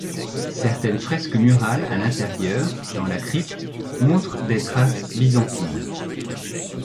Certaines fresques murales à l'intérieur, dans la crypte, montrent des traces byzantines.